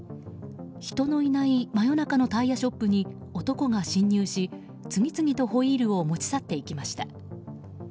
人のいない真夜中のタイヤショップに男が侵入し次々とホイールを持ち去っていきました。